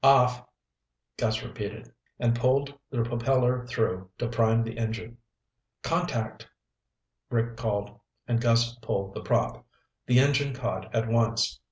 "Off," Gus repeated, and pulled the propeller through to prime the engine. "Contact," Rick called, and Gus pulled the prop. The engine caught at once.